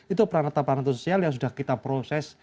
itu peranata perantau sosial yang sudah kita proses